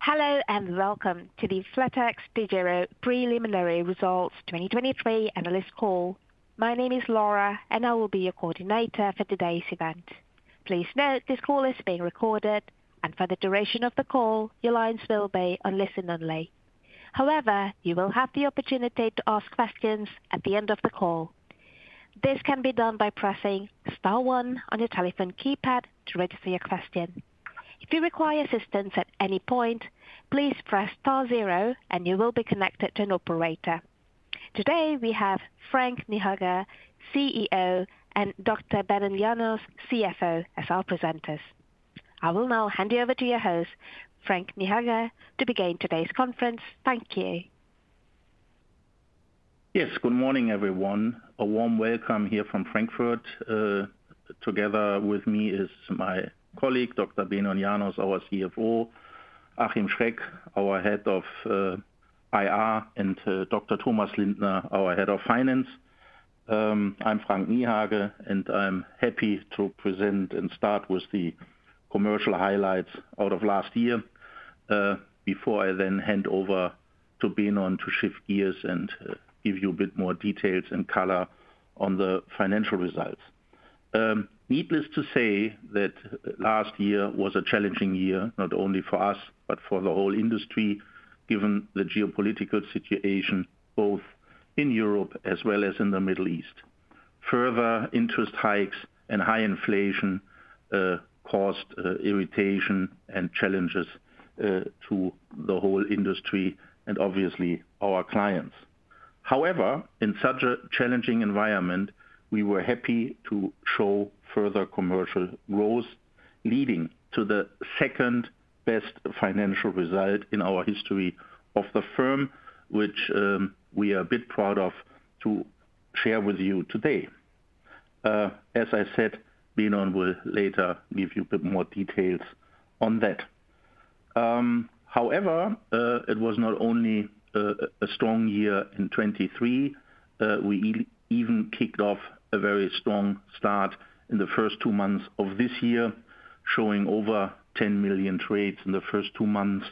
Hello and welcome to the flatexDEGIRO preliminary results 2023 analyst call. My name is Laura and I will be your coordinator for today's event. Please note this call is being recorded and for the duration of the call your lines will be on listen only. However, you will have the opportunity to ask questions at the end of the call. This can be done by pressing star one on your telephone keypad to register your question. If you require assistance at any point, please press star zero and you will be connected to an operator. Today we have Frank Niehage, CEO, and Dr. Benon Janos, CFO, as our presenters. I will now hand you over to your host, Frank Niehage, to begin today's conference. Thank you. Yes, good morning everyone. A warm welcome here from Frankfurt. Together with me is my colleague, Dr. Benon Janos, our CFO; Achim Schreck, our Head of IR; and Dr. Thomas Lindner, our Head of Finance. I'm Frank Niehage and I'm happy to present and start with the commercial highlights out of last year, before I then hand over to Benon to shift gears and give you a bit more details and color on the financial results. Needless to say that last year was a challenging year, not only for us but for the whole industry, given the geopolitical situation both in Europe as well as in the Middle East. Further interest hikes and high inflation caused irritation and challenges to the whole industry and obviously our clients. However, in such a challenging environment, we were happy to show further commercial growth, leading to the second best financial result in our history of the firm, which, we are a bit proud of to share with you today. As I said, Benon will later give you a bit more details on that. However, it was not only a strong year in 2023, we even kicked off a very strong start in the first two months of this year, showing over 10 million trades in the first two months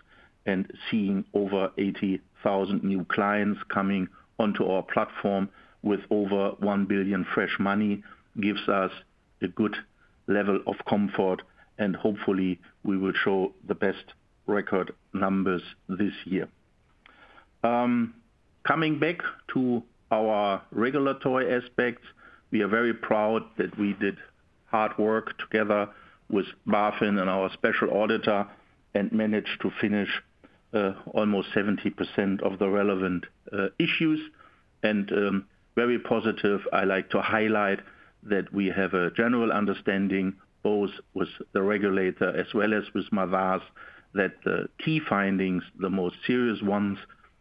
and seeing over 80,000 new clients coming onto our platform with over 1 billion fresh money, gives us a good level of comfort and hopefully we will show the best record numbers this year. Coming back to our regulatory aspects, we are very proud that we did hard work together with BaFin and our special auditor and managed to finish almost 70% of the relevant issues. Very positive, I like to highlight that we have a general understanding both with the regulator as well as with Mazars that the key findings, the most serious ones,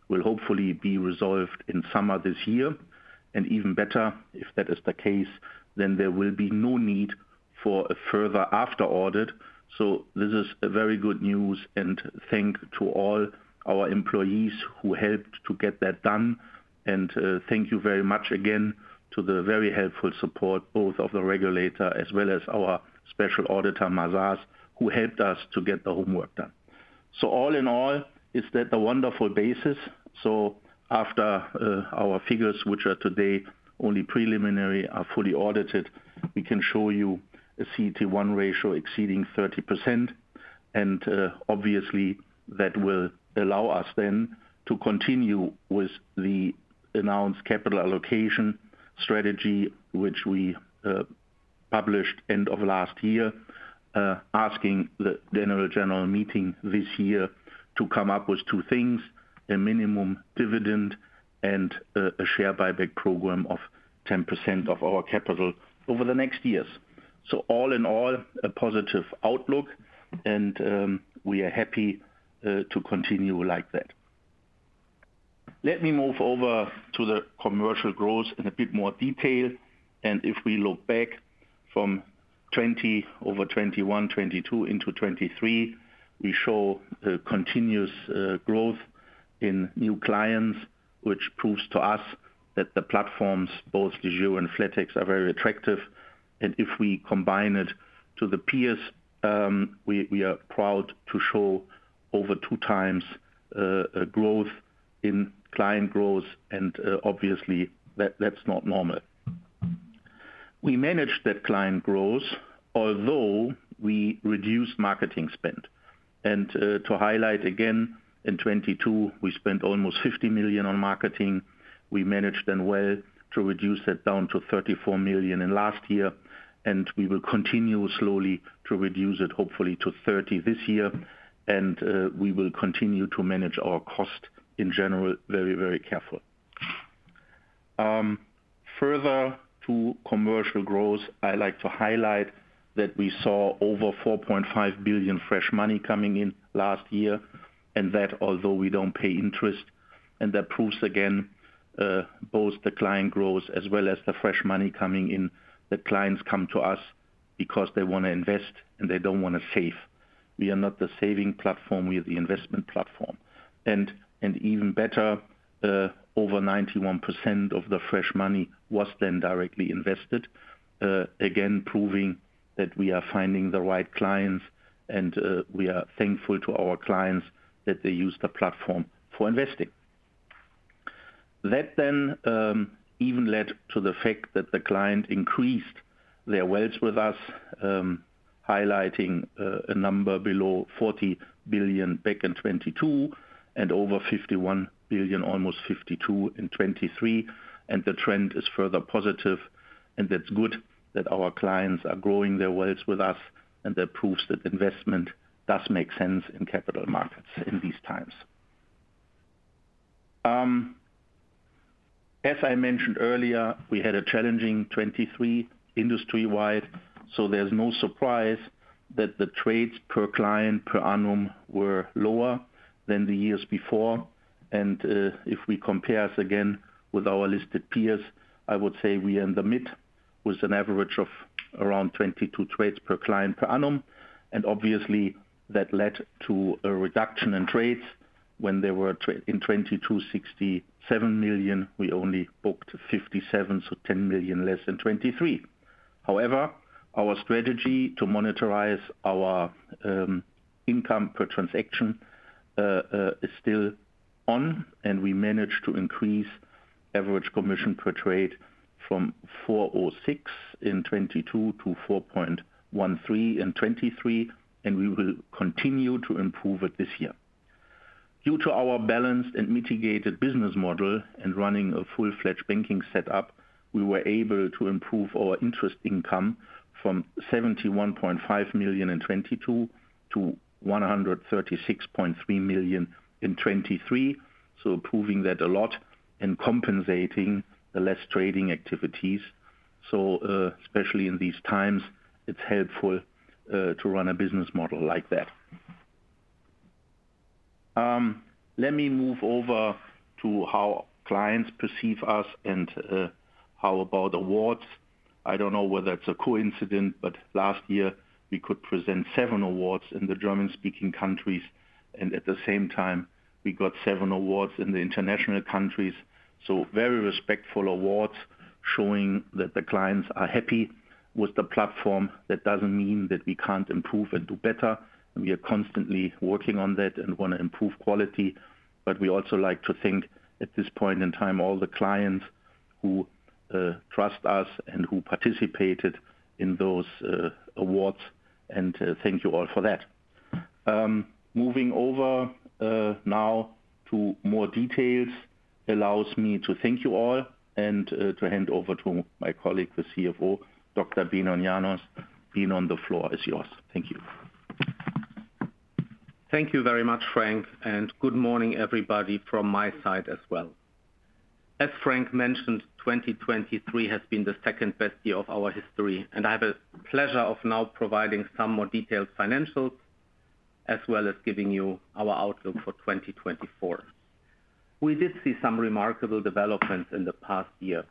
will hopefully be resolved in summer this year. And even better, if that is the case, then there will be no need for a further after audit. So this is very good news and thanks to all our employees who helped to get that done. And thank you very much again to the very helpful support both of the regulator as well as our special auditor, Mazars, who helped us to get the homework done. So all in all, that is a wonderful basis. So after our figures, which are today only preliminary, are fully audited, we can show you a CET1 ratio exceeding 30%. And obviously that will allow us then to continue with the announced capital allocation strategy, which we published end of last year, asking the general meeting this year to come up with two things: a minimum dividend and a share buyback program of 10% of our capital over the next years. So all in all, a positive outlook and we are happy to continue like that. Let me move over to the commercial growth in a bit more detail. If we look back from 2020 over 2021, 2022 into 2023, we show continuous growth in new clients, which proves to us that the platforms, both DEGIRO and flatex, are very attractive. If we combine it to the peers, we are proud to show over two times growth in client growth and, obviously that's not normal. We managed that client growth although we reduced marketing spend. To highlight again, in 2022 we spent almost 50 million on marketing. We managed then well to reduce that down to 34 million in last year and we will continue slowly to reduce it hopefully to 30 million this year. We will continue to manage our cost in general very, very carefully. Further to commercial growth, I like to highlight that we saw over 4.5 billion fresh money coming in last year and that although we don't pay interest, and that proves again, both the client growth as well as the fresh money coming in, that clients come to us because they wanna invest and they don't wanna save. We are not the saving platform, we are the investment platform. And, and even better, over 91% of the fresh money was then directly invested, again proving that we are finding the right clients and, we are thankful to our clients that they use the platform for investing. That then, even led to the fact that the client increased their wealth with us, highlighting, a number below 40 billion back in 2022 and over 51 billion, almost 52 billion in 2023. And the trend is further positive and that's good that our clients are growing their wealth with us and that proves that investment does make sense in capital markets in these times. As I mentioned earlier, we had a challenging 2023 industry-wide. So there's no surprise that the trades per client, per annum, were lower than the years before. If we compare us again with our listed peers, I would say we are in the middle with an average of around 22 trades per client, per annum. Obviously that led to a reduction in trades. When there were trades in 2022, 67 million, we only booked 57, so 10 million less in 2023. However, our strategy to monetize our income per transaction is still on and we managed to increase average commission per trade from 4.06 in 2022 to 4.13 in 2023 and we will continue to improve it this year. Due to our balanced and mitigated business model and running a full-fledged banking setup, we were able to improve our interest income from 71.5 million in 2022 to 136.3 million in 2023. So, proving that a lot and compensating the less trading activities. So, especially in these times, it's helpful to run a business model like that. Let me move over to how clients perceive us and, how about awards. I don't know whether it's a coincidence, but last year we could present seven awards in the German-speaking countries and at the same time we got seven awards in the international countries. So, very respectable awards showing that the clients are happy with the platform. That doesn't mean that we can't improve and do better. We are constantly working on that and wanna improve quality. But we also like to thank at this point in time all the clients who trust us and who participated in those awards and, thank you all for that. Moving over now to more details allows me to thank you all and to hand over to my colleague, the CFO, Dr. Benon Janos. Benon, the floor is yours. Thank you. Thank you very much, Frank, and good morning everybody from my side as well. As Frank mentioned, 2023 has been the second best year of our history and I have the pleasure of now providing some more detailed financials as well as giving you our outlook for 2024. We did see some remarkable developments in the past year.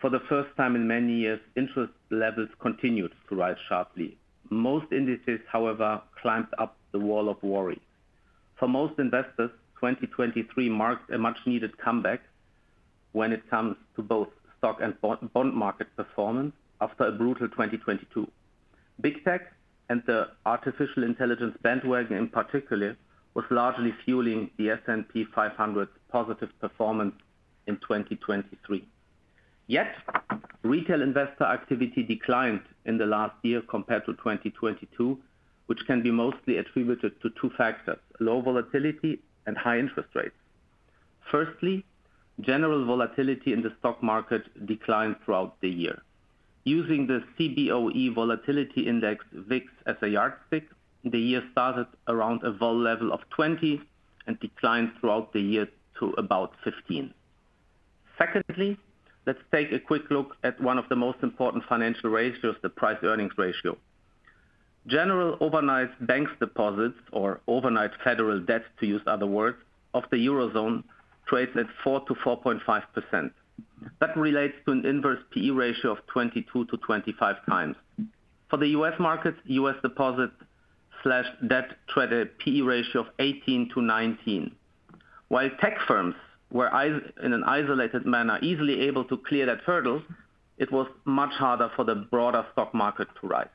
For the first time in many years, interest levels continued to rise sharply. Most indices, however, climbed up the wall of worry. For most investors, 2023 marked a much-needed comeback when it comes to both stock and bond market performance after a brutal 2022. Big Tech and the artificial intelligence bandwagon in particular was largely fueling the S&P 500's positive performance in 2023. Yet, retail investor activity declined in the last year compared to 2022, which can be mostly attributed to two factors: low volatility and high interest rates. Firstly, general volatility in the stock market declined throughout the year. Using the CBOE Volatility Index (VIX) as a yardstick, the year started around a vol level of 20 and declined throughout the year to about 15. Secondly, let's take a quick look at one of the most important financial ratios, the price-earnings ratio. General overnight banks deposits, or overnight federal debt to use other words, of the eurozone trades at 4%-4.5%. That relates to an inverse PE ratio of 22-25x. For the U.S. markets, U.S. deposit/debt traded at a PE ratio of 18-19. While tech firms were in an isolated manner easily able to clear that hurdle, it was much harder for the broader stock market to rise.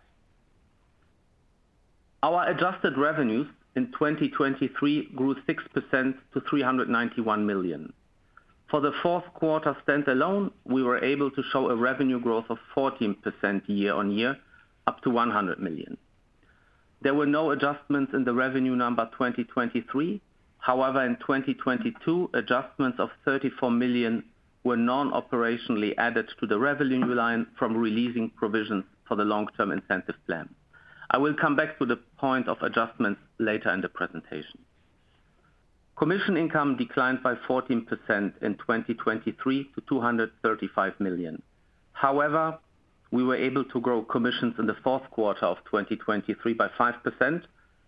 Our adjusted revenues in 2023 grew 6% to 391 million. For the fourth quarter standalone, we were able to show a revenue growth of 14% year-on-year, up to 100 million. There were no adjustments in the revenue number 2023. However, in 2022, adjustments of 34 million were non-operationally added to the revenue line from releasing provisions for the long-term incentive plan. I will come back to the point of adjustments later in the presentation. Commission income declined by 14% in 2023 to 235 million. However, we were able to grow commissions in the fourth quarter of 2023 by 5%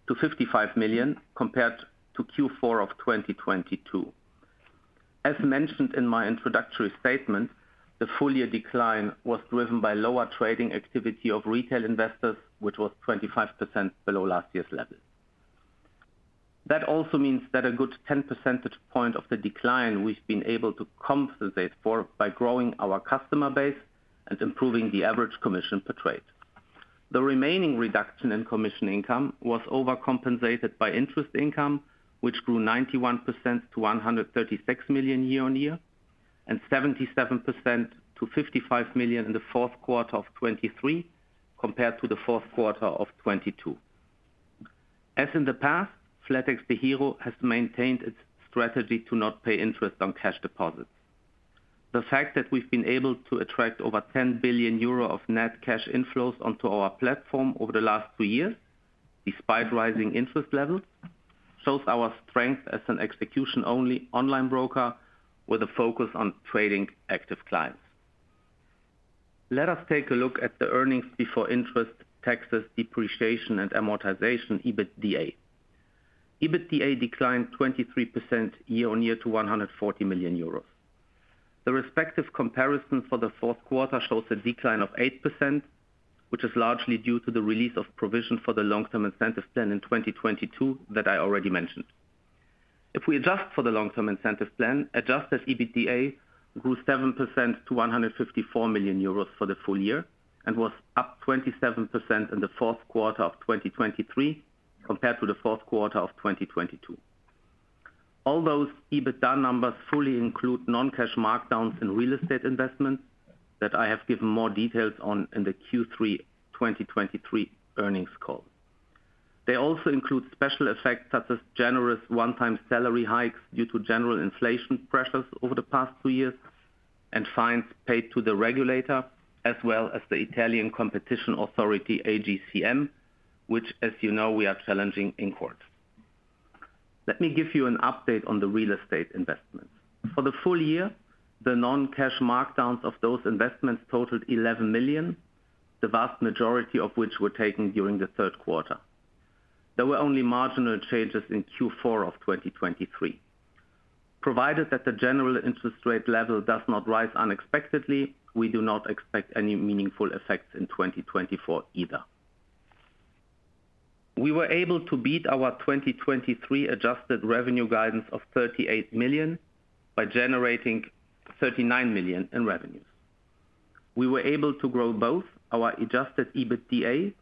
to 55 million compared to Q4 of 2022. As mentioned in my introductory statement, the full year decline was driven by lower trading activity of retail investors, which was 25% below last year's level. That also means that a good 10 percentage point of the decline we've been able to compensate for by growing our customer base and improving the average commission per trade. The remaining reduction in commission income was overcompensated by interest income, which grew 91% to 136 million year-on-year and 77% to 55 million in the fourth quarter of 2023 compared to the fourth quarter of 2022. As in the past, flatexDEGIRO has maintained its strategy to not pay interest on cash deposits. The fact that we've been able to attract over 10 billion euro of net cash inflows onto our platform over the last two years, despite rising interest levels, shows our strength as an execution-only online broker with a focus on trading active clients. Let us take a look at the earnings before interest, taxes, depreciation, and amortization, EBITDA. EBITDA declined 23% year-on-year to 140 million euros. The respective comparison for the fourth quarter shows a decline of 8%, which is largely due to the release of provision for the long-term incentive plan in 2022 that I already mentioned. If we adjust for the long-term incentive plan, adjusted EBITDA grew 7% to 154 million euros for the full year and was up 27% in the fourth quarter of 2023 compared to the fourth quarter of 2022. All those EBITDA numbers fully include non-cash markdowns in real estate investments that I have given more details on in the Q3 2023 earnings call. They also include special effects such as generous one-time salary hikes due to general inflation pressures over the past two years and fines paid to the regulator as well as the Italian Competition Authority, AGCM, which, as you know, we are challenging in court. Let me give you an update on the real estate investments. For the full year, the non-cash markdowns of those investments totaled 11 million, the vast majority of which were taken during the third quarter. There were only marginal changes in Q4 of 2023. Provided that the general interest rate level does not rise unexpectedly, we do not expect any meaningful effects in 2024 either. We were able to beat our 2023 adjusted revenue guidance of 38 million by generating 39 million in revenues. We were able to grow both our adjusted EBITDA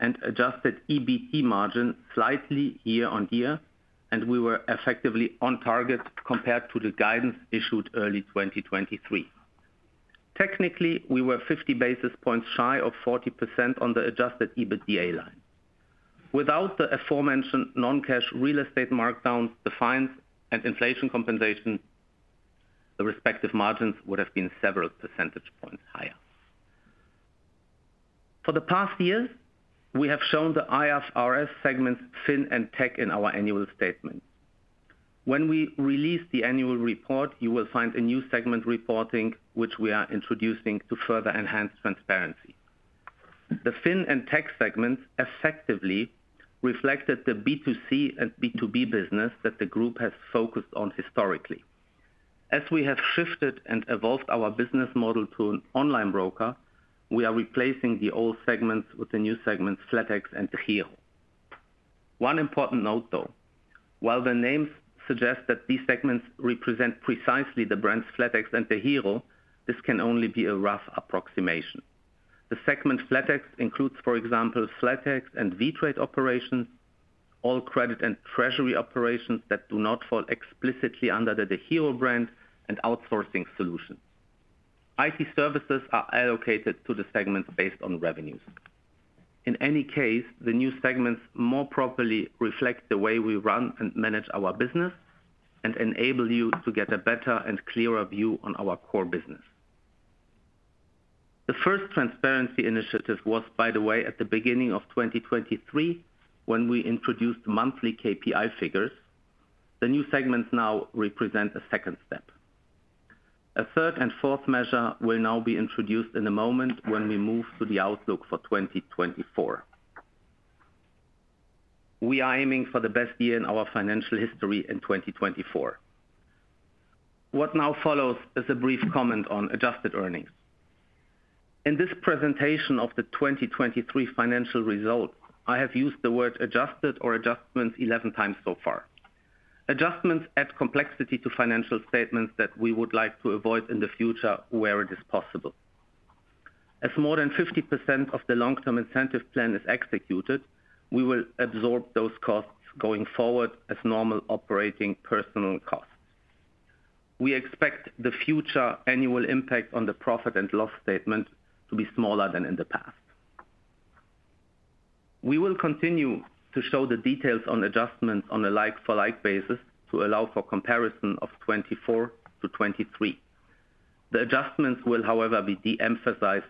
and adjusted EBT margin slightly year-on-year and we were effectively on target compared to the guidance issued early 2023. Technically, we were 50 basis points shy of 40% on the adjusted EBITDA line. Without the aforementioned non-cash real estate markdowns, the fines, and inflation compensation, the respective margins would have been several percentage points higher. For the past year, we have shown the IFRS segments Fin and Tech in our annual statement. When we release the annual report, you will find a new segment reporting, which we are introducing to further enhance transparency. The Fin and Tech segments effectively reflected the B2C and B2B business that the group has focused on historically. As we have shifted and evolved our business model to an online broker, we are replacing the old segments with the new segments flatex and DEGIRO. One important note, though. While the names suggest that these segments represent precisely the brands flatex and DEGIRO, this can only be a rough approximation. The segment flatex includes, for example, flatex and ViTrade operations, all credit and treasury operations that do not fall explicitly under the DEGIRO brand, and outsourcing solutions. IT services are allocated to the segments based on revenues. In any case, the new segments more properly reflect the way we run and manage our business and enable you to get a better and clearer view on our core business. The first transparency initiative was, by the way, at the beginning of 2023 when we introduced monthly KPI figures. The new segments now represent a second step. A third and fourth measure will now be introduced in a moment when we move to the outlook for 2024. We are aiming for the best year in our financial history in 2024. What now follows is a brief comment on adjusted earnings. In this presentation of the 2023 financial results, I have used the word adjusted or adjustments 11 times so far. Adjustments add complexity to financial statements that we would like to avoid in the future where it is possible. As more than 50% of the long-term incentive plan is executed, we will absorb those costs going forward as normal operating personal costs. We expect the future annual impact on the profit and loss statement to be smaller than in the past. We will continue to show the details on adjustments on a like-for-like basis to allow for comparison of 2024 to 2023. The adjustments will, however, be de-emphasized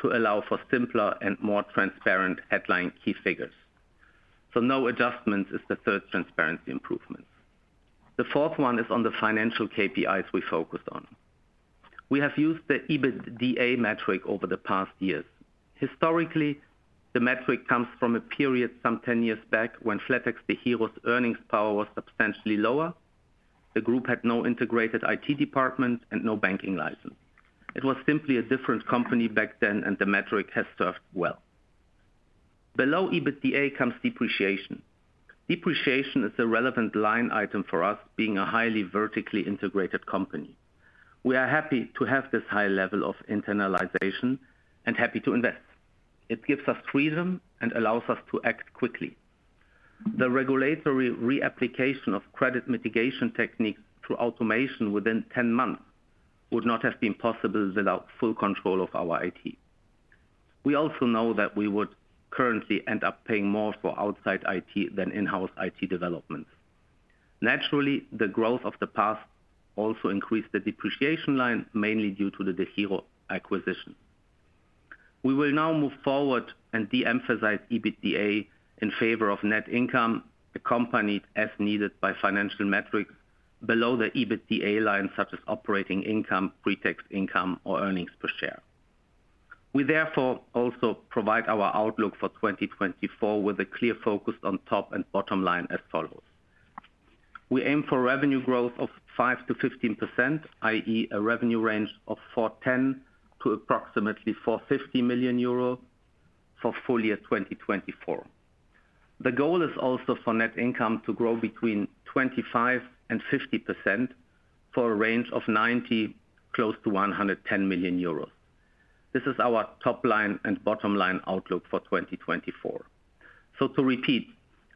to allow for simpler and more transparent headline key figures. So no adjustments is the third transparency improvement. The fourth one is on the financial KPIs we focused on. We have used the EBITDA metric over the past years. Historically, the metric comes from a period some 10 years back when flatexDEGIRO's earnings power was substantially lower. The group had no integrated IT department and no banking license. It was simply a different company back then and the metric has served well. Below EBITDA comes depreciation. Depreciation is a relevant line item for us being a highly vertically integrated company. We are happy to have this high level of internalization and happy to invest. It gives us freedom and allows us to act quickly. The regulatory reapplication of credit mitigation techniques through automation within 10 months would not have been possible without full control of our IT. We also know that we would currently end up paying more for outside IT than in-house IT developments. Naturally, the growth of the past also increased the depreciation line mainly due to the DEGIRO acquisition. We will now move forward and de-emphasize EBITDA in favor of net income accompanied as needed by financial metrics below the EBITDA line such as operating income, pretax income, or earnings per share. We therefore also provide our outlook for 2024 with a clear focus on top and bottom line as follows. We aim for revenue growth of 5%-15%, i.e., a revenue range of 410 million to approximately 450 million euro for full year 2024. The goal is also for net income to grow between 25% and 50% for a range of 90 million close to 110 million euros. This is our top line and bottom line outlook for 2024. So to repeat,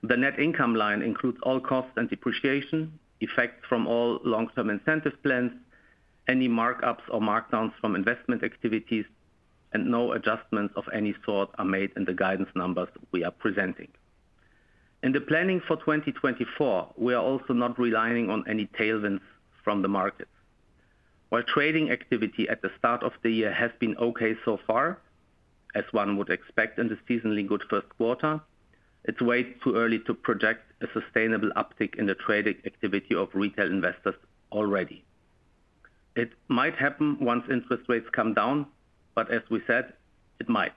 the net income line includes all costs and depreciation, effects from all long-term incentive plans, any markups or markdowns from investment activities, and no adjustments of any sort are made in the guidance numbers we are presenting. In the planning for 2024, we are also not relying on any tailwinds from the markets. While trading activity at the start of the year has been okay so far, as one would expect in the seasonally good first quarter, it's way too early to project a sustainable uptick in the trading activity of retail investors already. It might happen once interest rates come down, but as we said, it might.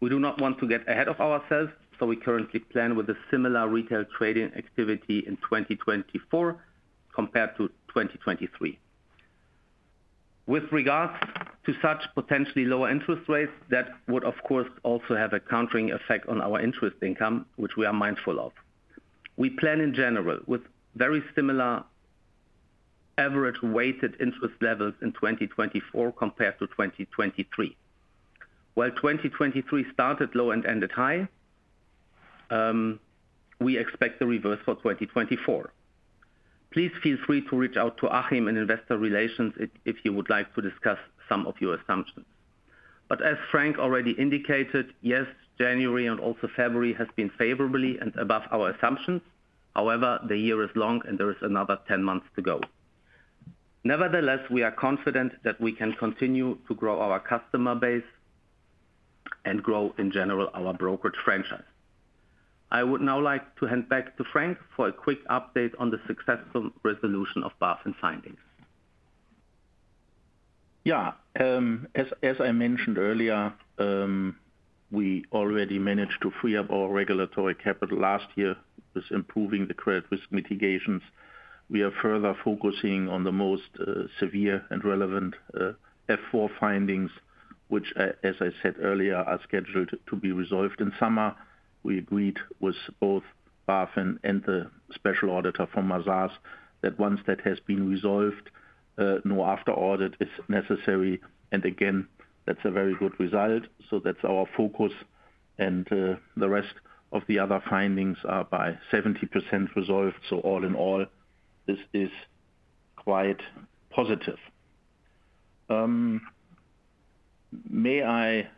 We do not want to get ahead of ourselves, so we currently plan with a similar retail trading activity in 2024 compared to 2023. With regards to such potentially lower interest rates, that would, of course, also have a countering effect on our interest income, which we are mindful of. We plan in general with very similar average weighted interest levels in 2024 compared to 2023. While 2023 started low and ended high, we expect the reverse for 2024. Please feel free to reach out to Achim in investor relations if you would like to discuss some of your assumptions. But as Frank already indicated, yes, January and also February has been favorably and above our assumptions. However, the year is long and there is another 10 months to go. Nevertheless, we are confident that we can continue to grow our customer base and grow in general our brokerage franchise. I would now like to hand back to Frank for a quick update on the successful resolution of BaFin findings. Yeah. As I mentioned earlier, we already managed to free up our regulatory capital last year with improving the credit risk mitigations. We are further focusing on the most severe and relevant F-4 findings, which, as I said earlier, are scheduled to be resolved in summer. We agreed with both BaFin and the special auditor from Mazars that once that has been resolved, no after-audit is necessary. And again, that's a very good result. So that's our focus. And the rest of the other findings are by 70% resolved. So all in all, this is quite positive. May I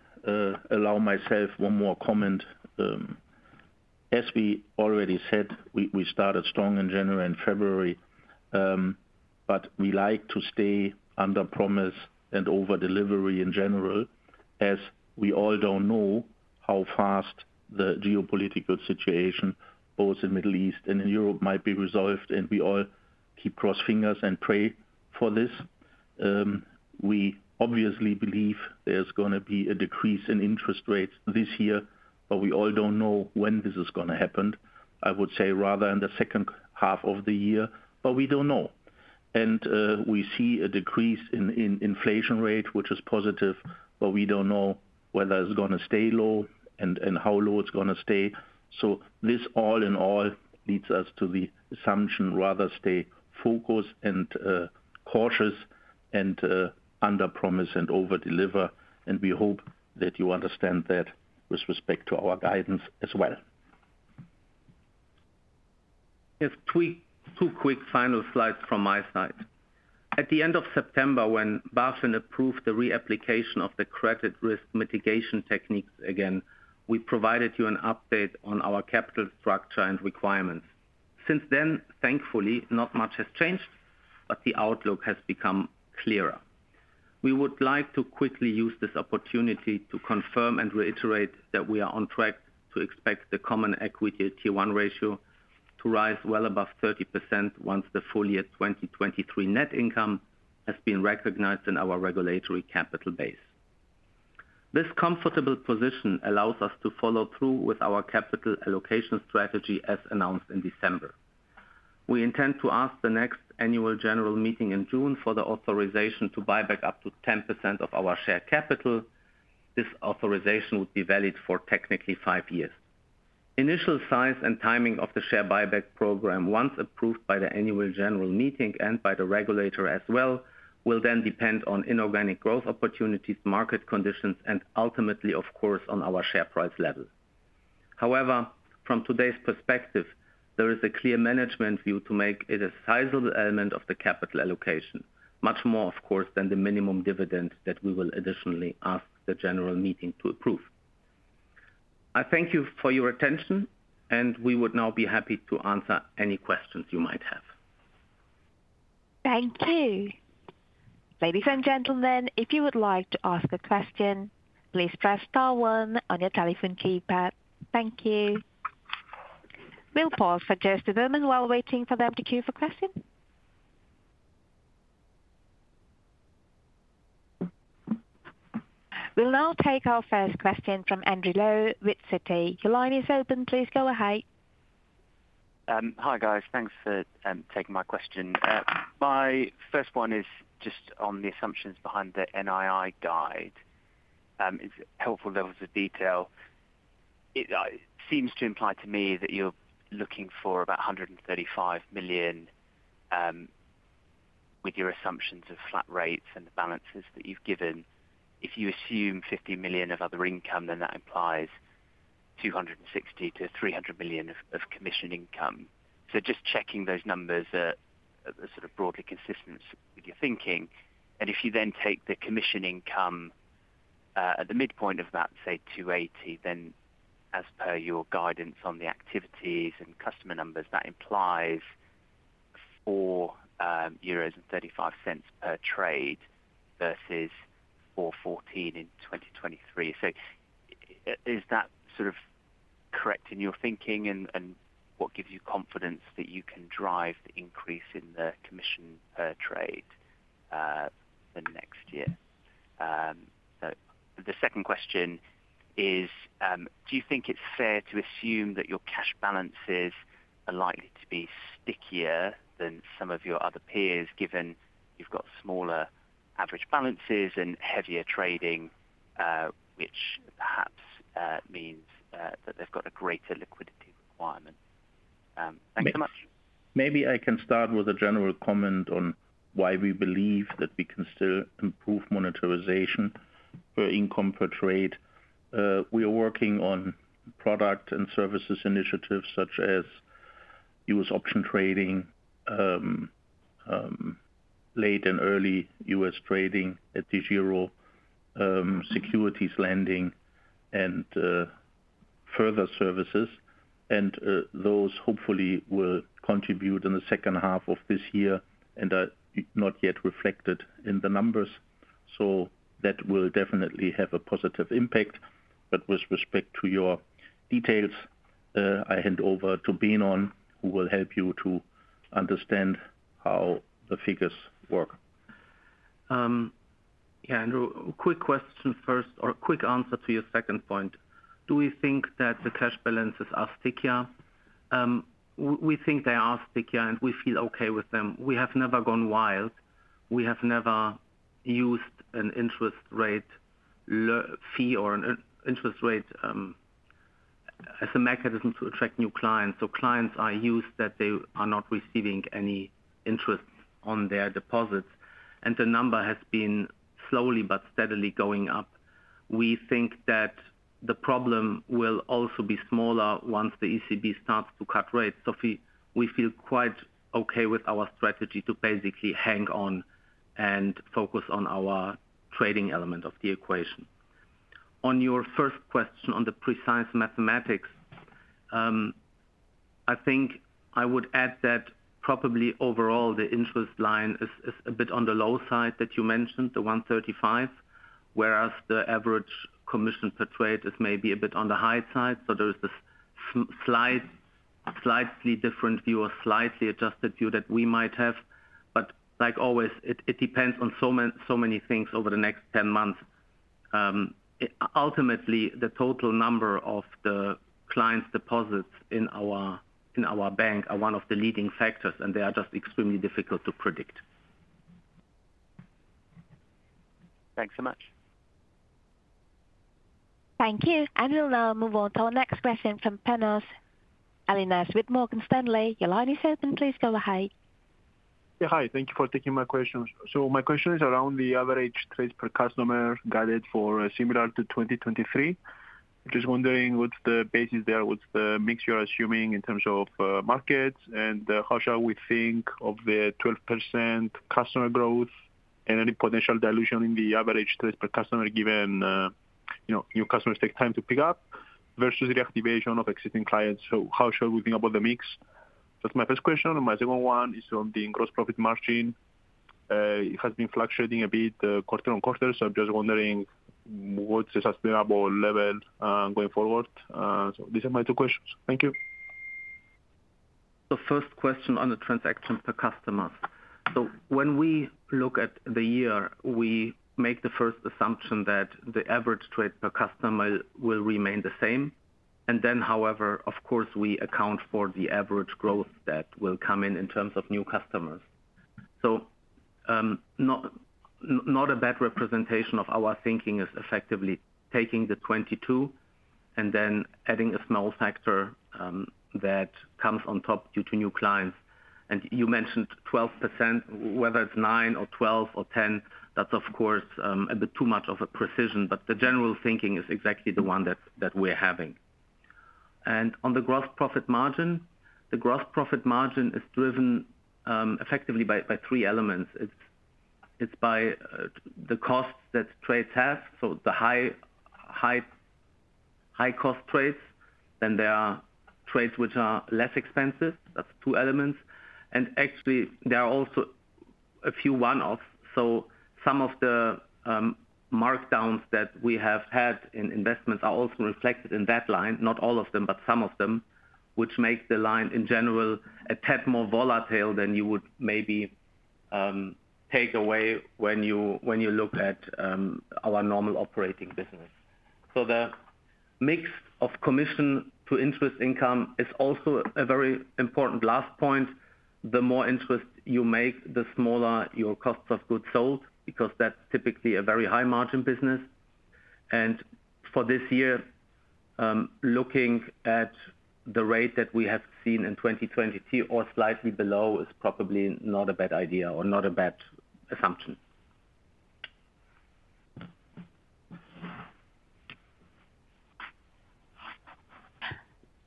allow myself one more comment? As we already said, we started strong in January and February, but we like to stay under promise and over delivery in general as we all don't know how fast the geopolitical situation, both in the Middle East and in Europe, might be resolved. And we all keep crossed fingers and pray for this. We obviously believe there's going to be a decrease in interest rates this year, but we all don't know when this is going to happen. I would say rather in the second half of the year, but we don't know. We see a decrease in inflation rate, which is positive, but we don't know whether it's going to stay low and how low it's going to stay. This all in all leads us to the assumption rather stay focused and cautious and under promise and over deliver. We hope that you understand that with respect to our guidance as well. Two quick final slides from my side. At the end of September, when BaFin approved the reapplication of the credit risk mitigation techniques again, we provided you an update on our capital structure and requirements. Since then, thankfully, not much has changed, but the outlook has become clearer. We would like to quickly use this opportunity to confirm and reiterate that we are on track to expect the Common Equity Tier 1 ratio to rise well above 30% once the full year 2023 net income has been recognized in our regulatory capital base. This comfortable position allows us to follow through with our capital allocation strategy as announced in December. We intend to ask the next annual general meeting in June for the authorization to buy back up to 10% of our share capital. This authorization would be valid for technically five years. Initial size and timing of the share buyback program once approved by the annual general meeting and by the regulator as well will then depend on inorganic growth opportunities, market conditions, and ultimately, of course, on our share price level. However, from today's perspective, there is a clear management view to make it a sizable element of the capital allocation, much more, of course, than the minimum dividend that we will additionally ask the general meeting to approve. I thank you for your attention, and we would now be happy to answer any questions you might have. Thank you. Ladies and gentlemen, if you would like to ask a question, please press star one on your telephone keypad. Thank you. We'll pause for just a moment while waiting for them to queue for questions. We'll now take our first question from Andrew Lowe with Citi. Your line is open. Please go ahead. Hi guys. Thanks for taking my question. My first one is just on the assumptions behind the NII guide. It's helpful levels of detail. It seems to imply to me that you're looking for about 135 million with your assumptions of flat rates and the balances that you've given. If you assume 50 million of other income, then that implies 260 million-300 million of commission income. So just checking those numbers are sort of broadly consistent with your thinking. And if you then take the commission income at the midpoint of that, say, 280 million, then as per your guidance on the activities and customer numbers, that implies 4.35 per trade versus 4.14 in 2023. So is that sort of correct in your thinking, and what gives you confidence that you can drive the increase in the commission per trade the next year? So the second question is, do you think it's fair to assume that your cash balances are likely to be stickier than some of your other peers given you've got smaller average balances and heavier trading, which perhaps means that they've got a greater liquidity requirement? Thanks so much. Maybe I can start with a general comment on why we believe that we can still improve monetization per income per trade. We are working on product and services initiatives such as U.S. option trading, late and early U.S. trading at DEGIRO, securities lending, and further services. And those hopefully will contribute in the second half of this year and are not yet reflected in the numbers. So that will definitely have a positive impact. But with respect to your details, I hand over to Benon who will help you to understand how the figures work. Yeah, Andrew. Quick question first or quick answer to your second point. Do we think that the cash balances are stickier? We think they are stickier, and we feel okay with them. We have never gone wild. We have never used an interest rate fee or an interest rate as a mechanism to attract new clients. So clients are used that they are not receiving any interest on their deposits. The number has been slowly but steadily going up. We think that the problem will also be smaller once the ECB starts to cut rates. So we feel quite okay with our strategy to basically hang on and focus on our trading element of the equation. On your first question on the precise mathematics, I think I would add that probably overall, the interest line is a bit on the low side that you mentioned, the 135, whereas the average commission per trade is maybe a bit on the high side. So there is this slightly different view or slightly adjusted view that we might have. But like always, it depends on so many things over the next 10 months. Ultimately, the total number of the clients' deposits in our bank are one of the leading factors, and they are just extremely difficult to predict. Thanks so much. Thank you. We'll now move on to our next question from Panos Ellinas with Morgan Stanley. Your line is open. Please go ahead. Yeah, hi. Thank you for taking my questions. So my question is around the average trades per customer guided for similar to 2023. I'm just wondering what's the basis there, what's the mix you're assuming in terms of markets, and how shall we think of the 12% customer growth and any potential dilution in the average trades per customer given new customers take time to pick up versus reactivation of existing clients? So how shall we think about the mix? That's my first question. My second one is on the gross profit margin. It has been fluctuating a bit quarter-on-quarter. So I'm just wondering what's a sustainable level going forward. So these are my two questions. Thank you. The first question on the transactions per customer. So when we look at the year, we make the first assumption that the average trade per customer will remain the same. And then, however, of course, we account for the average growth that will come in in terms of new customers. Not a bad representation of our thinking is effectively taking the 22 and then adding a small factor that comes on top due to new clients. You mentioned 12%. Whether it's 9 or 12 or 10, that's, of course, a bit too much of a precision. The general thinking is exactly the one that we're having. On the gross profit margin, the gross profit margin is driven effectively by three elements. It's by the costs that trades have. So the high-cost trades, then there are trades which are less expensive. That's two elements. And actually, there are also a few one-offs. So some of the markdowns that we have had in investments are also reflected in that line, not all of them, but some of them, which make the line in general a tad more volatile than you would maybe take away when you look at our normal operating business. So the mix of commission to interest income is also a very important last point. The more interest you make, the smaller your costs of goods sold because that's typically a very high-margin business. And for this year, looking at the rate that we have seen in 2023 or slightly below is probably not a bad idea or not a bad assumption.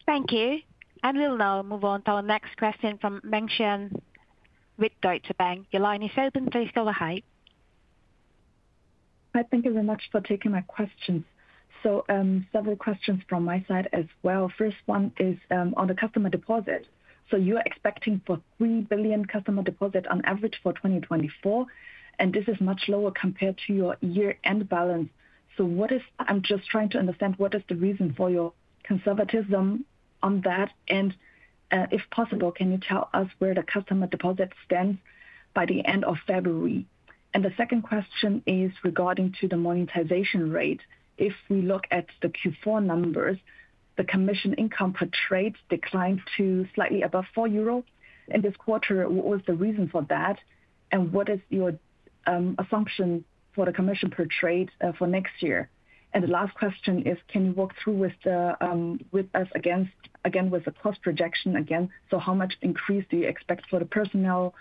Thank you. And we'll now move on to our next question from Mengxian Sun with Deutsche Bank. Your line is open. Please go ahead. Hi. Thank you very much for taking my questions. So several questions from my side as well. First one is on the customer deposit. So you are expecting 3 billion customer deposit on average for 2024. And this is much lower compared to your year-end balance. So I'm just trying to understand what is the reason for your conservatism on that. And if possible, can you tell us where the customer deposit stands by the end of February? And the second question is regarding to the monetization rate. If we look at the Q4 numbers, the commission income per trade declined to slightly above 4 euro in this quarter. What was the reason for that? And what is your assumption for the commission per trade for next year? And the last question is, can you walk through with us again with a cost projection again? So how much increase do you expect for the personnel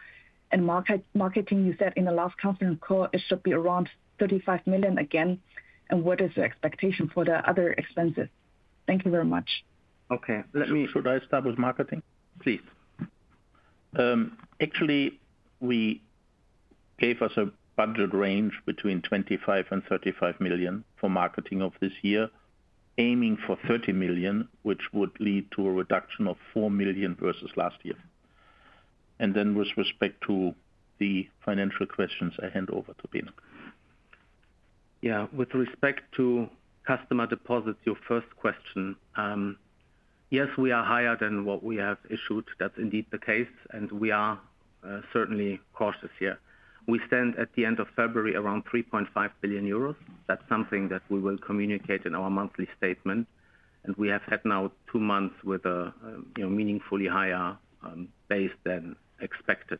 and marketing? You said in the last conference call, it should be around 35 million again. And what is your expectation for the other expenses? Thank you very much. Okay. Should I start with marketing, please? Actually, we gave us a budget range between 25 million and 35 million for marketing of this year, aiming for 30 million, which would lead to a reduction of 4 million versus last year. And then with respect to the financial questions, I hand over to Benon. Yeah. With respect to customer deposit, your first question, yes, we are higher than what we have issued. That's indeed the case. And we are certainly cautious here. We stand at the end of February around 3.5 billion euros. That's something that we will communicate in our monthly statement. We have had now two months with a meaningfully higher base than expected.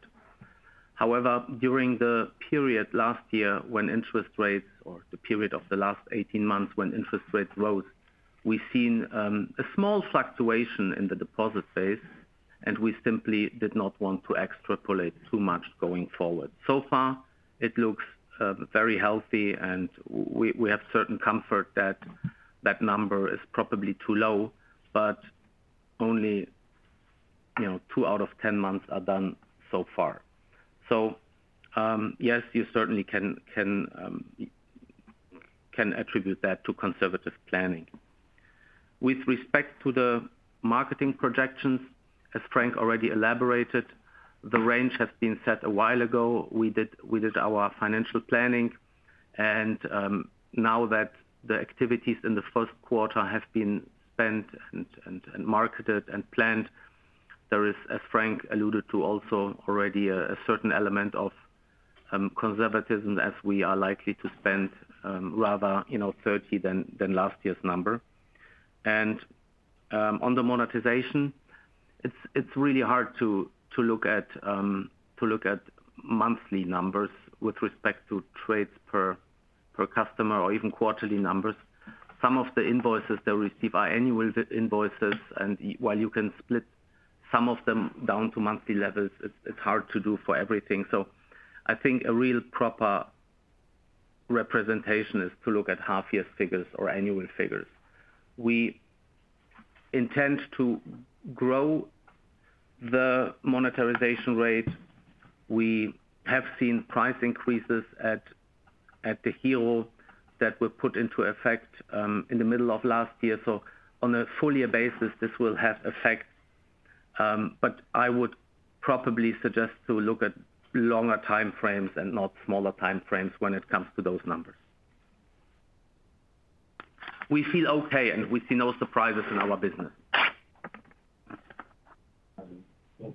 However, during the period last year when interest rates or the period of the last 18 months when interest rates rose, we've seen a small fluctuation in the deposit base. We simply did not want to extrapolate too much going forward. So far, it looks very healthy. We have certain comfort that that number is probably too low. But only two out of 10 months are done so far. Yes, you certainly can attribute that to conservative planning. With respect to the marketing projections, as Frank already elaborated, the range has been set a while ago. We did our financial planning. Now that the activities in the first quarter have been spent and marketed and planned, there is, as Frank alluded to, also already a certain element of conservatism as we are likely to spend rather 30 than last year's number. On the monetization, it's really hard to look at monthly numbers with respect to trades per customer or even quarterly numbers. Some of the invoices they receive are annual invoices. While you can split some of them down to monthly levels, it's hard to do for everything. So I think a real proper representation is to look at half-year figures or annual figures. We intend to grow the monetization rate. We have seen price increases at DEGIRO that were put into effect in the middle of last year. So on a full-year basis, this will have effect. But I would probably suggest to look at longer timeframes and not smaller timeframes when it comes to those numbers. We feel okay. We see no surprises in our business.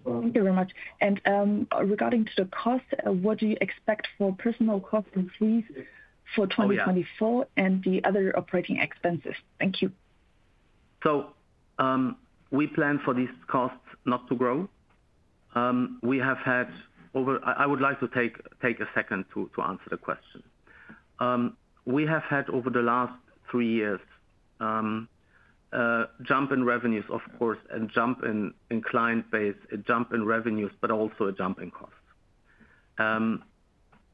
Thank you very much. And regarding to the cost, what do you expect for personal cost increase for 2024 and the other operating expenses? Thank you. So we plan for these costs not to grow. We have had over I would like to take a second to answer the question. We have had over the last three years a jump in revenues, of course, a jump in client base, a jump in revenues, but also a jump in costs.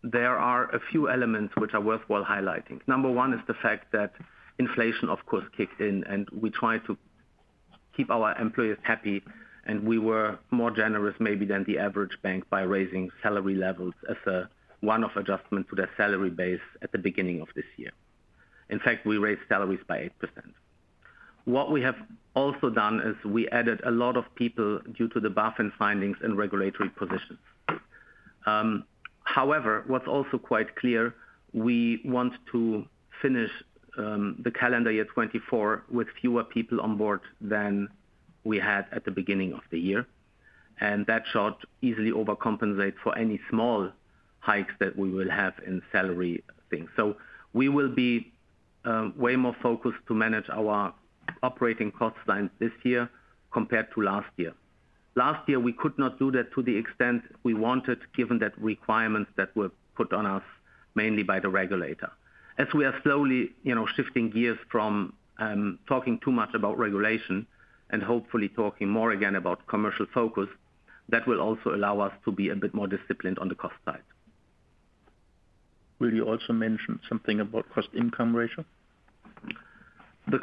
There are a few elements which are worthwhile highlighting. Number one is the fact that inflation, of course, kicked in. And we tried to keep our employees happy. We were more generous maybe than the average bank by raising salary levels as one of adjustments to their salary base at the beginning of this year. In fact, we raised salaries by 8%. What we have also done is we added a lot of people due to the F4 findings in regulatory positions. However, what's also quite clear, we want to finish the calendar year 2024 with fewer people on board than we had at the beginning of the year. That shall easily overcompensate for any small hikes that we will have in salary things. We will be way more focused to manage our operating costs line this year compared to last year. Last year, we could not do that to the extent we wanted given that requirements that were put on us mainly by the regulator. As we are slowly shifting gears from talking too much about regulation and hopefully talking more again about commercial focus, that will also allow us to be a bit more disciplined on the cost side. Will you also mention something about cost-income ratio?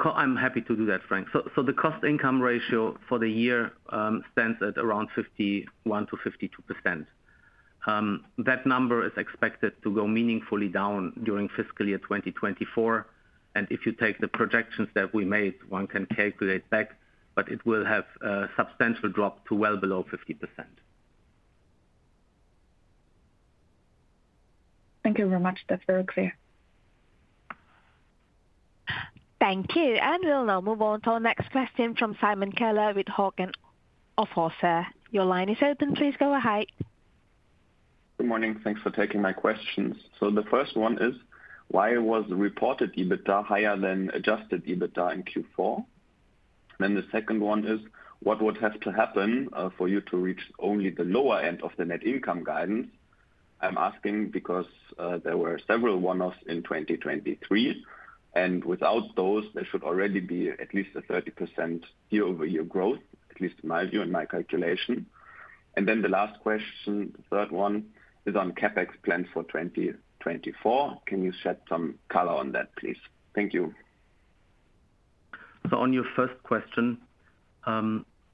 I'm happy to do that, Frank. So the cost-income ratio for the year stands at around 51%-52%. That number is expected to go meaningfully down during fiscal year 2024. And if you take the projections that we made, one can calculate back. But it will have a substantial drop to well below 50%. Thank you very much. That's very clear. Thank you. And we'll now move on to our next question from Simon Keller with Hauck Aufhäuser Lampe. Your line is open. Please go ahead. Good morning. Thanks for taking my questions. So the first one is, why was reported EBITDA higher than adjusted EBITDA in Q4? Then the second one is, what would have to happen for you to reach only the lower end of the net income guidance? I'm asking because there were several one-offs in 2023. And without those, there should already be at least a 30% year-over-year growth, at least in my view and my calculation. And then the last question, the third one, is on CapEx plans for 2024. Can you shed some color on that, please? Thank you. So on your first question,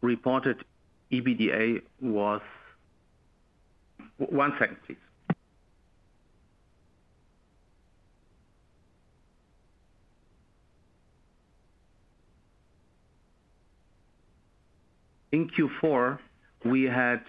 reported EBITDA was. One second, please. In Q4, we had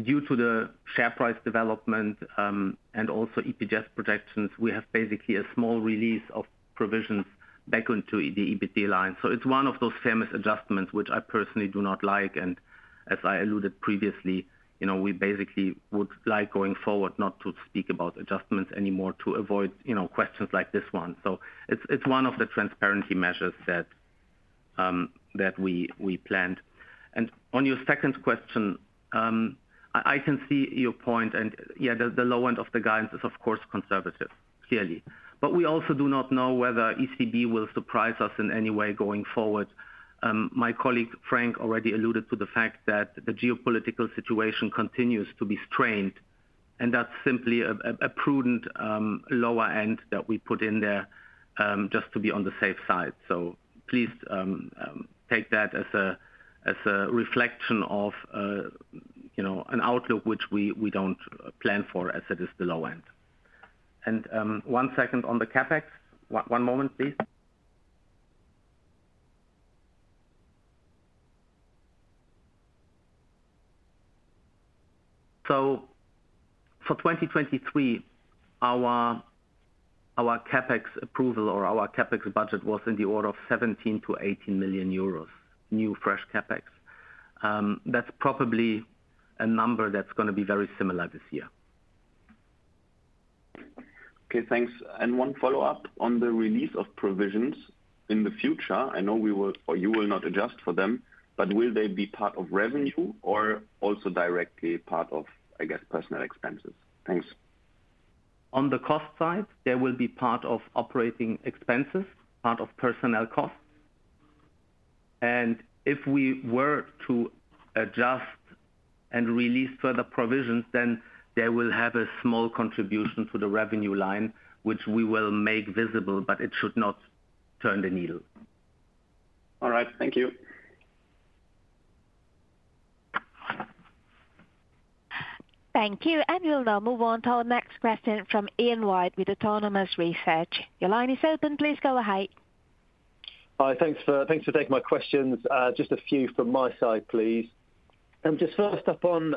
due to the share price development and also EPS projections, we have basically a small release of provisions back into the EBITDA line. So it's one of those famous adjustments which I personally do not like. As I alluded previously, we basically would like going forward not to speak about adjustments anymore to avoid questions like this one. It's one of the transparency measures that we planned. On your second question, I can see your point. Yeah, the low end of the guidance is, of course, conservative, clearly. But we also do not know whether ECB will surprise us in any way going forward. My colleague Frank already alluded to the fact that the geopolitical situation continues to be strained. That's simply a prudent lower end that we put in there just to be on the safe side. Please take that as a reflection of an outlook which we don't plan for as it is the low end. One second on the CapEx. One moment, please. So for 2023, our CapEx approval or our CapEx budget was in the order of 17 million-18 million euros, new fresh CapEx. That's probably a number that's going to be very similar this year. Okay. Thanks. And one follow-up on the release of provisions in the future, I know we will or you will not adjust for them. But will they be part of revenue or also directly part of, I guess, personnel expenses? Thanks. On the cost side, they will be part of operating expenses, part of personnel costs. And if we were to adjust and release further provisions, then they will have a small contribution to the revenue line which we will make visible. But it should not turn the needle. All right. Thank you. Thank you. And we'll now move on to our next question from Ian White with Autonomous Research. Your line is open. Please go ahead. Hi. Thanks for taking my questions. Just a few from my side, please. Just first up on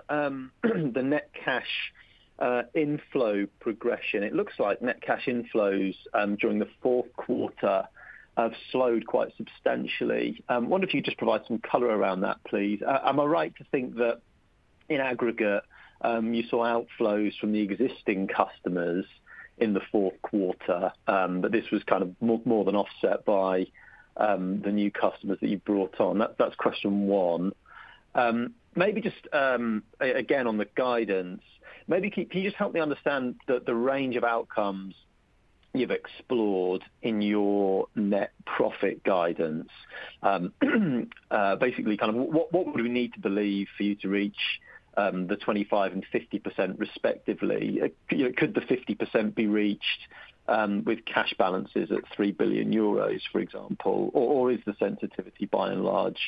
the net cash inflow progression. It looks like net cash inflows during the fourth quarter have slowed quite substantially. I wonder if you could just provide some color around that, please. Am I right to think that in aggregate, you saw outflows from the existing customers in the fourth quarter? But this was kind of more than offset by the new customers that you brought on. That's question one. Maybe just again on the guidance, can you just help me understand the range of outcomes you've explored in your net profit guidance? Basically, kind of what would we need to believe for you to reach the 25% and 50%, respectively? Could the 50% be reached with cash balances at 3 billion euros, for example? Or is the sensitivity by and large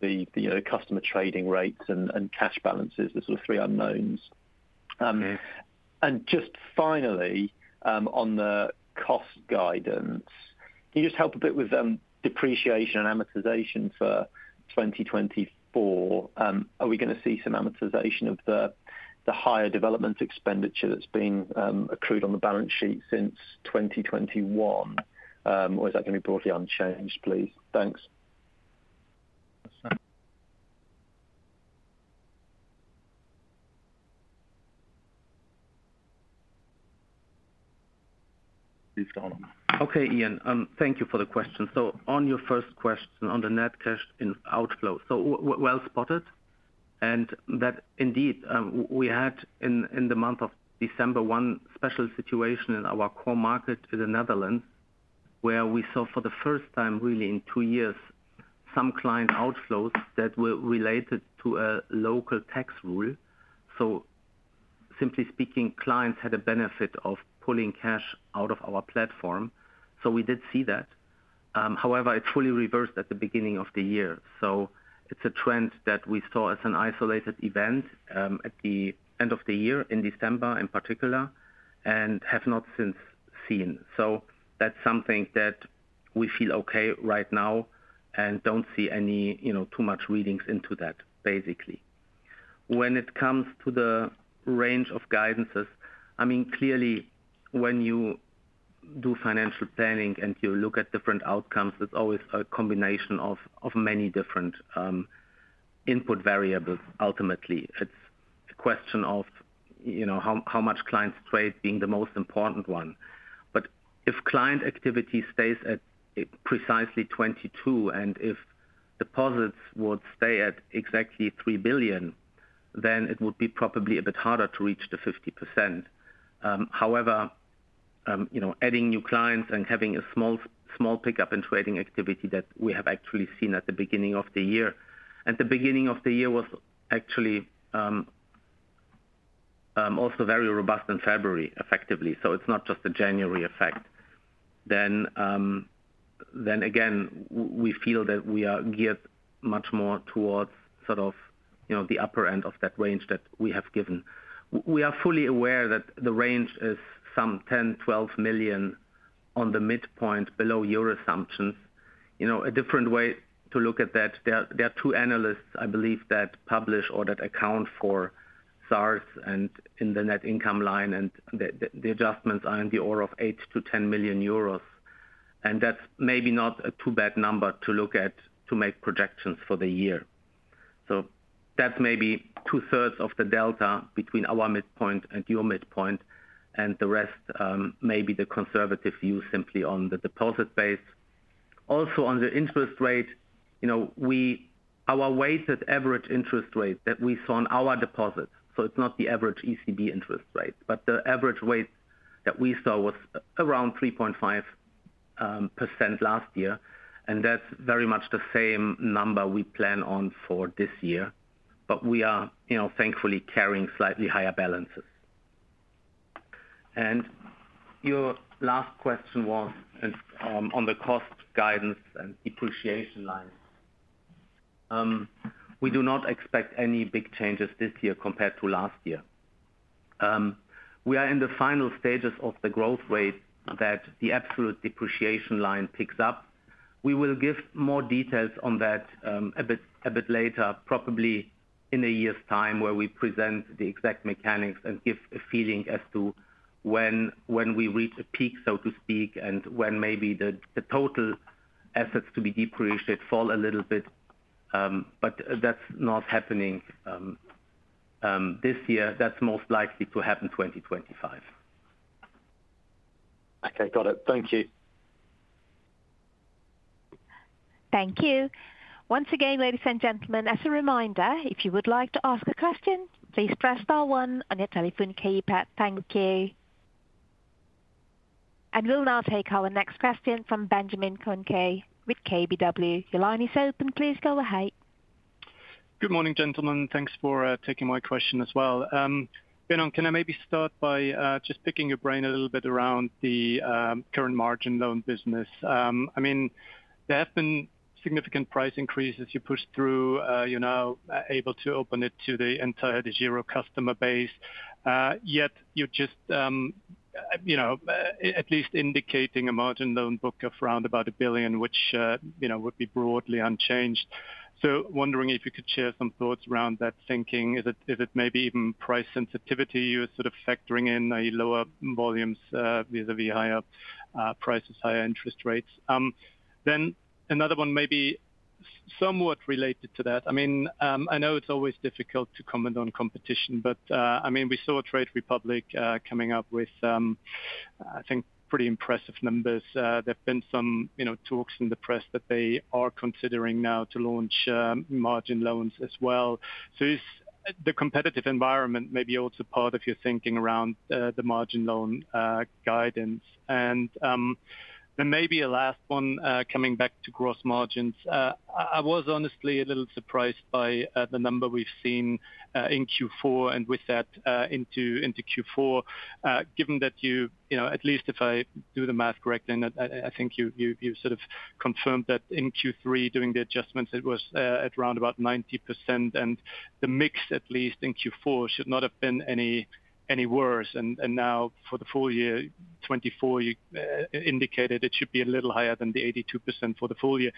the customer trading rates and cash balances, the sort of three unknowns? And just finally, on the cost guidance, can you just help a bit with depreciation and amortization for 2024? Are we going to see some amortization of the higher development expenditure that's been accrued on the balance sheet since 2021? Or is that going to be broadly unchanged, please? Thanks. Okay, Ian. Thank you for the question. So on your first question on the net cash outflow, so well spotted. And that indeed, we had in the month of December one special situation in our core market in the Netherlands where we saw for the first time really in two years some client outflows that were related to a local tax rule. So simply speaking, clients had a benefit of pulling cash out of our platform. So we did see that. However, it fully reversed at the beginning of the year. So it's a trend that we saw as an isolated event at the end of the year, in December in particular, and have not since seen. So that's something that we feel okay right now and don't see any too much reading into that, basically. When it comes to the range of guidances, I mean, clearly, when you do financial planning and you look at different outcomes, it's always a combination of many different input variables, ultimately. It's a question of how much clients trade, being the most important one. But if client activity stays at precisely 22 and if deposits would stay at exactly 3 billion, then it would be probably a bit harder to reach the 50%. However, adding new clients and having a small pickup in trading activity that we have actually seen at the beginning of the year and the beginning of the year was actually also very robust in February, effectively. So it's not just a January effect. Then again, we feel that we are geared much more towards sort of the upper end of that range that we have given. We are fully aware that the range is some 10-12 million on the midpoint below your assumptions. A different way to look at that, there are 2 analysts, I believe, that publish or that account for SARs and in the net income line, and the adjustments are in the order of 8-10 million euros. And that's maybe not a too bad number to look at to make projections for the year. So that's maybe 2/3 of the delta between our midpoint and your midpoint. And the rest may be the conservative view simply on the deposit base. Also, on the interest rate, our weighted average interest rate that we saw on our deposit, so it's not the average ECB interest rate. But the average weight that we saw was around 3.5% last year. And that's very much the same number we plan on for this year. But we are thankfully carrying slightly higher balances. And your last question was on the cost guidance and depreciation line. We do not expect any big changes this year compared to last year. We are in the final stages of the growth rate that the absolute depreciation line picks up. We will give more details on that a bit later, probably in a year's time where we present the exact mechanics and give a feeling as to when we reach a peak, so to speak, and when maybe the total assets to be depreciated fall a little bit. But that's not happening this year. That's most likely to happen 2025. Okay. Got it. Thank you. Thank you. Once again, ladies and gentlemen, as a reminder, if you would like to ask a question, please press star one on your telephone keypad. Thank you. And we'll now take our next question from Benjamin Kohnke with KBW. Your line is open. Please go ahead. Good morning, gentlemen. Thanks for taking my question as well. Benon, can I maybe start by just picking your brain a little bit around the current margin loan business? I mean, there have been significant price increases. You pushed through. You're now able to open it to the entire DEGIRO customer base. Yet you're just at least indicating a margin loan book of around 1 billion, which would be broadly unchanged. So wondering if you could share some thoughts around that thinking. Is it maybe even price sensitivity you're sort of factoring in, i.e., lower volumes vis-à-vis higher prices, higher interest rates? Then another one, maybe somewhat related to that. I mean, I know it's always difficult to comment on competition. But I mean, we saw Trade Republic coming up with, I think, pretty impressive numbers. There've been some talks in the press that they are considering now to launch margin loans as well. So is the competitive environment maybe also part of your thinking around the margin loan guidance? And then maybe a last one, coming back to gross margins. I was honestly a little surprised by the number we've seen in Q4 and with that into Q4, given that you at least if I do the math correctly, and I think you sort of confirmed that in Q3, doing the adjustments, it was at round about 90%. The mix, at least in Q4, should not have been any worse. Now for the full year, 2024, you indicated it should be a little higher than the 82% for the full year.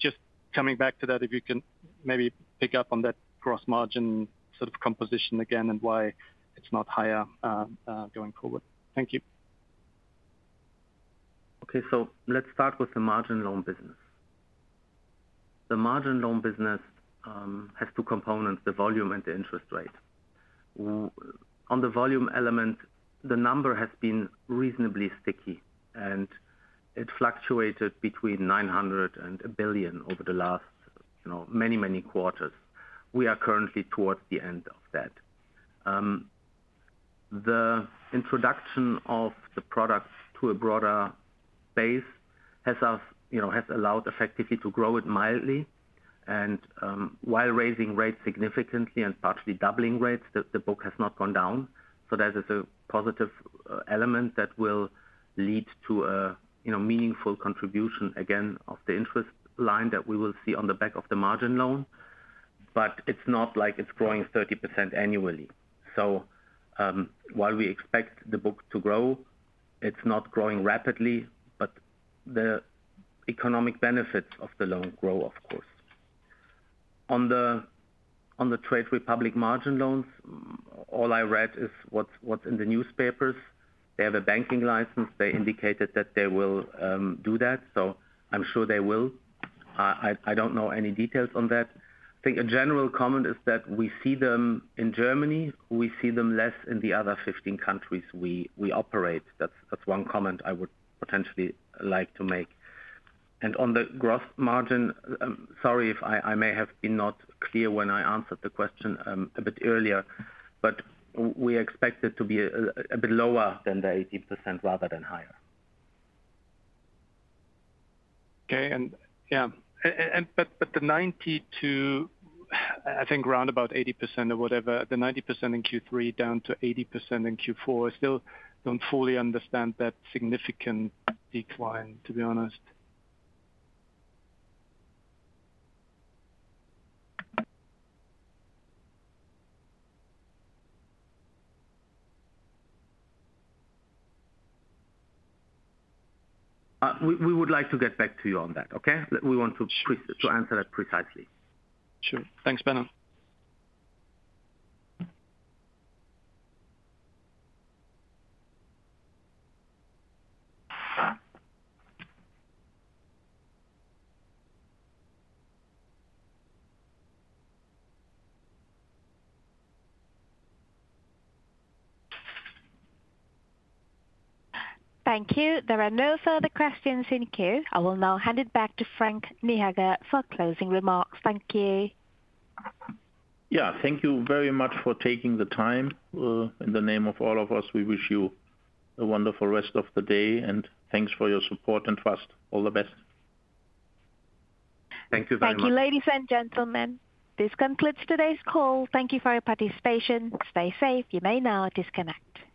Just coming back to that, if you can maybe pick up on that gross margin sort of composition again and why it's not higher going forward. Thank you. Okay. Let's start with the margin loan business. The margin loan business has two components, the volume and the interest rate. On the volume element, the number has been reasonably sticky. It fluctuated between 900 million and 1 billion over the last many, many quarters. We are currently towards the end of that. The introduction of the product to a broader base has allowed effectively to grow it mildly. And while raising rates significantly and partially doubling rates, the book has not gone down. So that is a positive element that will lead to a meaningful contribution, again, of the interest line that we will see on the back of the margin loan. But it's not like it's growing 30% annually. So while we expect the book to grow, it's not growing rapidly. But the economic benefits of the loan grow, of course. On the Trade Republic margin loans, all I read is what's in the newspapers. They have a banking license. They indicated that they will do that. So I'm sure they will. I don't know any details on that. I think a general comment is that we see them in Germany. We see them less in the other 15 countries we operate. That's one comment I would potentially like to make. And on the gross margin, sorry if I may have been not clear when I answered the question a bit earlier. But we expect it to be a bit lower than the 18% rather than higher. Okay. And yeah. But the 90% to, I think, round about 80% or whatever, the 90% in Q3 down to 80% in Q4, I still don't fully understand that significant decline, to be honest. We would like to get back to you on that, okay? We want to answer that precisely. Sure. Thanks, Benon. Thank you. There are no further questions in queue. I will now hand it back to Frank Niehage for closing remarks. Thank you. Yeah. Thank you very much for taking the time. In the name of all of us, we wish you a wonderful rest of the day. Thanks for your support and trust. All the best. Thank you very much. Thank you, ladies and gentlemen. This concludes today's call. Thank you for your participation. Stay safe. You may now disconnect.